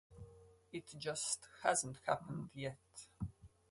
It just hasn't happened yet.